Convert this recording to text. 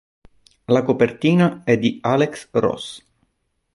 La copertina è di Alex Ross.